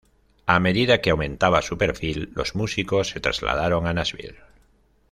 A medida que aumentaba su perfil, los músicos se trasladaron a Nashville.